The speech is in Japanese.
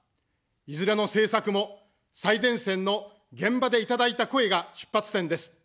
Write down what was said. いずれの政策も、最前線の現場でいただいた声が出発点です。